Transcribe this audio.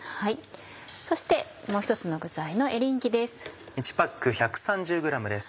そしてもう一つの具材のエリンギです。